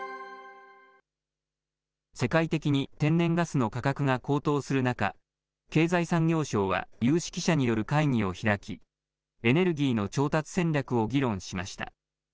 世界的に天然ガスの価格が高騰する中、経済産業省は、有識者による会議を開き、エネルギーの調達戦略を議論しました。